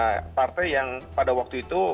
ada partai yang pada waktu itu